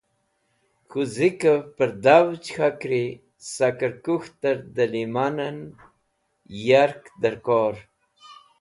K̃hũ zikẽv pẽrdhavj k̃hari sakẽr kũk̃htẽr dẽ lẽman yark dẽrkor